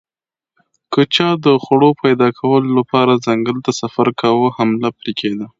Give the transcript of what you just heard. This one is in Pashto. که چا د خوړو پیدا کولو لپاره ځنګل ته سفر کاوه حمله پرې کېده